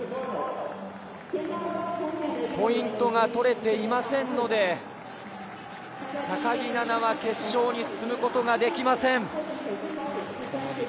ポイントが取れていませんので、高木菜那は決勝に進むことができません。